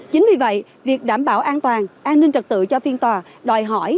chính vì vậy việc đảm bảo an toàn an ninh trật tự cho phiên tòa đòi hỏi